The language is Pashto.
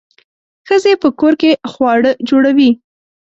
ښځې په کور کې خواړه جوړوي.